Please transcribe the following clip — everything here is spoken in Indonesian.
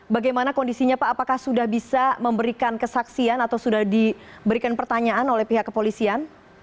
bagaimana kondisinya pak apakah sudah bisa memberikan kesaksian atau sudah diberikan pertanyaan oleh pihak kepolisian